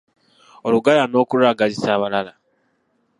Oluganda n’okulwagazisa abalala